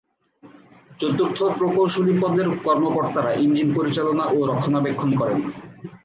চতুর্থ প্রকৌশলী পদের কর্মকর্তারা ইঞ্জিন পরিচালনা ও রক্ষণাবেক্ষণ করেন।